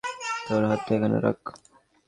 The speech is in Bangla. তোর হাতটা এখানে রাখ।